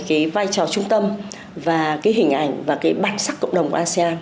cái vai trò trung tâm và cái hình ảnh và cái bản sắc cộng đồng của asean